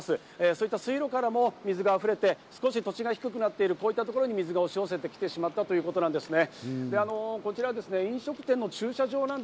そういった水路からも水が溢れて少し土地が低くなっている、こういったところに水が押し寄せてきてしまったということなんですね。